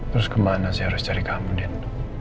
terus kemana saya harus cari kamu dan